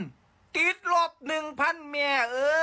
ศัตรู๑๐๐๐แม่